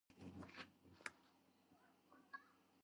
საქართველოში თითქმის ყველგან გვხვდება როგორც მობინადრე ფრინველი.